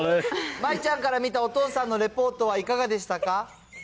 舞衣ちゃんから見たお父さんのレポートはいかがでしたか。